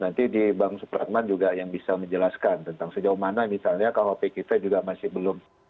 nanti di bang supratman juga yang bisa menjelaskan tentang sejauh mana misalnya kuhp kita juga masih belum